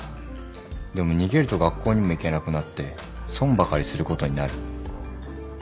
でも逃げると学校にも行けなくなって損ばかりすることになる。